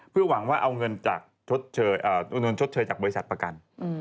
เพื่อหวังว่าเอาเงินจากเงินชดเชยจากบริษัทประกัน